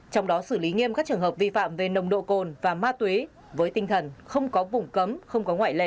trong đó xử lý nghiêm các trường hợp vi phạm về nồng độ cồn và ma túy với tinh thần không có vùng cấm không có ngoại lệ